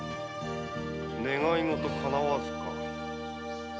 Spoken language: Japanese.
「願い事かなわず」か。